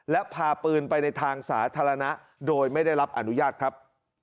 และพาปืนไปในทางสาธารณะโดยไม่ได้รับอนุญาตครับ